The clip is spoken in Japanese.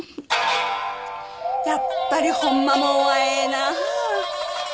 やっぱりホンマもんはええなあ。